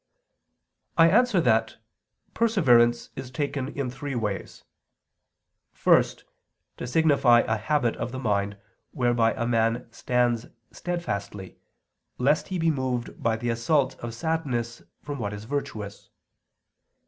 I answer that, Perseverance is taken in three ways. First, to signify a habit of the mind whereby a man stands steadfastly, lest he be moved by the assault of sadness from what is virtuous.